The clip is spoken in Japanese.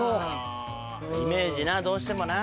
イメージなどうしてもな。